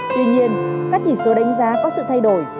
tuy nhiên các chỉ số đánh giá có sự thay đổi